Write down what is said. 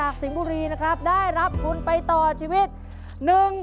อันนี้อะไรจะเกิดขึ้น